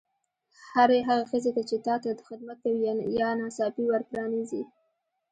هرې هغې ښځې ته چې تا ته خدمت کوي یا ناڅاپي ور پرانیزي.